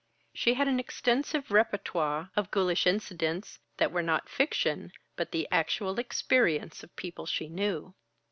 She had an extensive repertoire of ghoulish incidents, that were not fiction but the actual experience of people she knew.